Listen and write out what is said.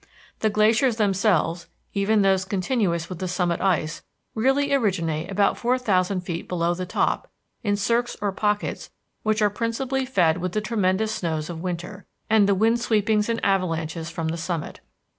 The glaciers themselves, even those continuous with the summit ice, really originate about four thousand feet below the top in cirques or pockets which are principally fed with the tremendous snows of winter, and the wind sweepings and avalanches from the summit.